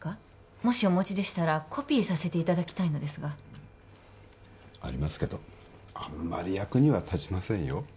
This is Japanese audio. もしお持ちでしたらコピーさせていただきたいのですがありますけどあんまり役には立ちませんよ